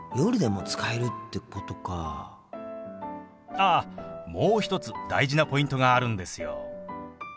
あっもう一つ大事なポイントがあるんですよ。